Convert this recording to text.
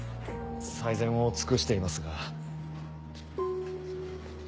最善を尽くしていますが。